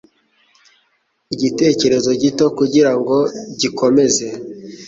Igitekerezo gito kugirango gikomeze